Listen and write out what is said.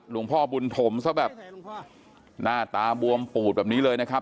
หลวงพ่อบุญถมซะแบบหน้าตาบวมปูดแบบนี้เลยนะครับ